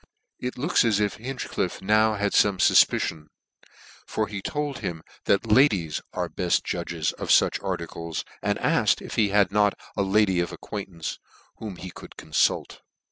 It looks as if HinchclirTehad now fome fufpicion; for he told him that the ladies were beft judges of fuch articles, and afked if he had not a lady of his acquaintance, whom he could confult.